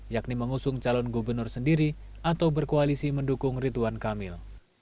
yakni mengusung calon gubernur sendiri atau berkoalisi mendukung rituan kamil